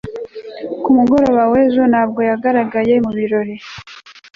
ku mugoroba w'ejo ntabwo yagaragaye mu birori